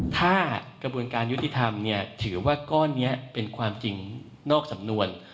ถ้ากระบวนการยุติธรรมถือว่าก้อนนี้เป็นความจริงนอกสำนวน